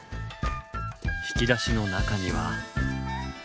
引き出しの中には。